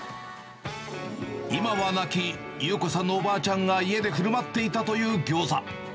今は亡き裕子さんのおばあちゃんが家でふるまっていたというギョーザ。